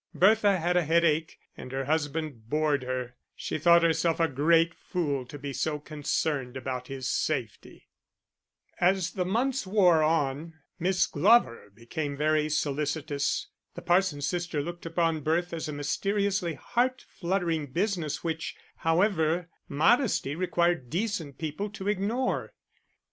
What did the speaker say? Bertha had a headache, and her husband bored her; she thought herself a great fool to be so concerned about his safety. As the months wore on Miss Glover became very solicitous. The parson's sister looked upon birth as a mysteriously heart fluttering business, which, however, modesty required decent people to ignore.